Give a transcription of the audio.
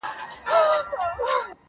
منصور دا ځلي د دې کلي ملا کړو-